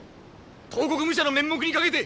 東国武者の面目に懸けて！